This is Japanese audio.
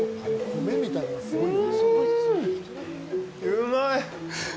うまい！